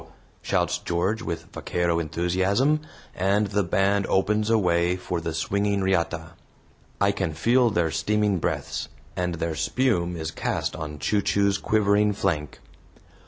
shouts George, with vaquero enthusiasm, and the band opens a way for the swinging riata. I can feel their steaming breaths, and their spume is cast on Chu Chu's quivering flank.